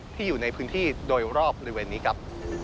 อยู่ในพื้นที่โดยรอบบริเวณนี้ครับ